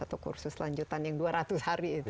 atau kursus lanjutan yang dua ratus hari itu